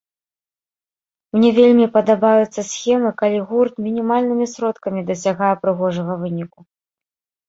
Мне вельмі падабаюцца схемы, калі гурт мінімальнымі сродкамі дасягае прыгожага выніку.